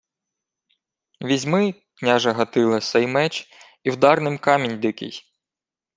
— Візьми, княже Гатиле, сей меч і вдар ним камінь дикий.